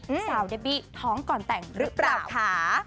สาวเดบี้ท้องก่อนแต่งหรือเปล่าค่ะ